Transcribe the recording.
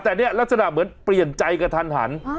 แต่เนี่ยลักษณะเหมือนเปลี่ยนใจกระทันหัน